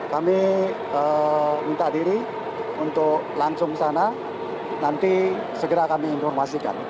kami minta diri untuk langsung ke sana nanti segera kami informasikan